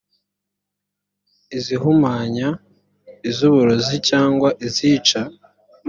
izihumanya iz uburozi cyangwa izica